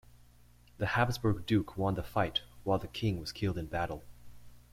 The Habsburg duke won the fight, while the king was killed in battle.